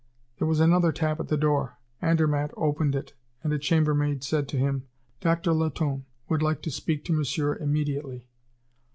There was another tap at the door. Andermatt opened it, and a chambermaid said to him: "Doctor Latonne would like to speak to Monsieur immediately."